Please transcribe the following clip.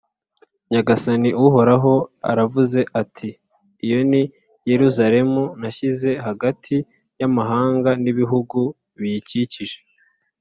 Nyagasani Uhoraho aravuze ati «Iyo ni Yeruzalemu nashyize hagati y’amahanga n’ibihugu biyikikije